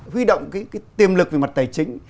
huy động cái tiềm lực về mặt tài chính